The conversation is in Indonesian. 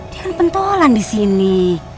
dia kan pentolan disini